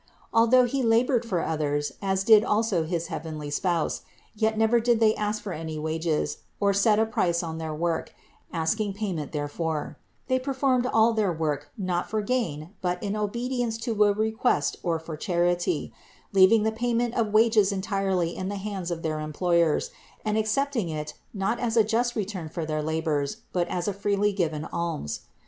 Although he labored for others, as did also his heavenly Spouse, yet never did they ask for any wages, or set a price on their work, asking payment therefor ; they performed all their work not for gain, but in obedience to a request or for charity, leaving the pay ment of wages entirely in the hands of their employers and accepting it not as a just return for their labors, but as a freely given alms.